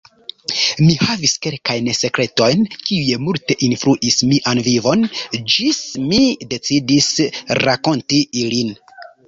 Mi havis kelkajn sekretojn kiuj multe influis mian vivon, ĝis mi decidis rakonti ilin.